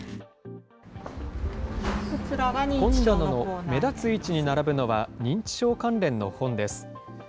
本棚の目立つ位置に並ぶのは認知症関連の本です。